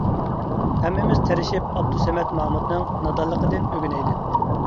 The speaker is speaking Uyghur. ھەممىمىز تىرىشىپ ئابدۇسەمەت مامۇتنىڭ نادانلىقىدىن ئۆگىنەيلى!